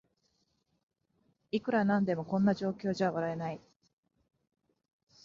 いくらなんでもこんな状況じゃ笑えない